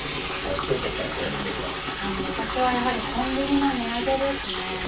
さあ、潮田さん、いかがでしょう私はやはり、コンビニの値上げですね。